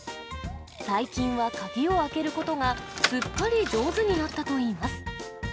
最近は鍵を開けることが、すっかり上手になったといいます。